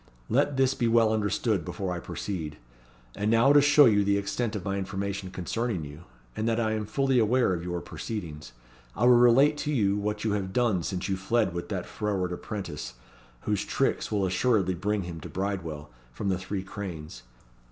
Let this be well understood before I proceed. And now to show you the extent of my information concerning you, and that I am fully aware of your proceedings, I will relate to you what you have done since you fled with that froward apprentice, whose tricks will assuredly bring him to Bridewell, from the Three Cranes.